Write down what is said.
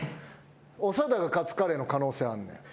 長田がカツカレーの可能性あんねん。